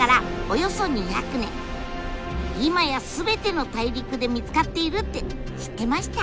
今や全ての大陸で見つかっているって知ってました？